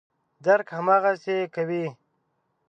درک هماغسې کوي.